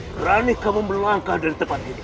berani kamu melangkah dari tempat ini